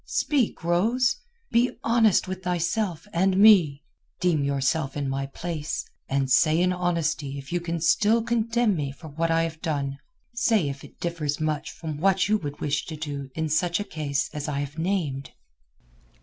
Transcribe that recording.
Speak, Rose! Be honest with thyself and me. Deem yourself in my place, and say in honesty if you can still condemn me for what I have done. Say if it differs much from what you would wish to do in such a case as I have named."